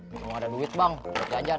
kalau gak ada duit bang lo jajan